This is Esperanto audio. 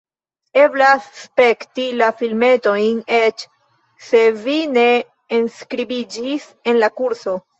Eblas spekti la filmetojn, eĉ se vi ne enskribiĝis en la kurso.